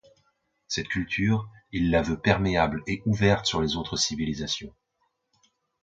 Cette culture, il la veut perméable et ouverte sur les autres civilisations.